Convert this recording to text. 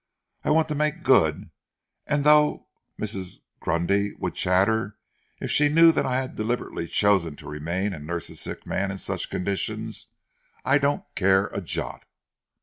I want to make good, and though Mrs. Grundy would chatter if she knew that I had deliberately chosen to remain and nurse a sick man in such conditions, I don't care a jot."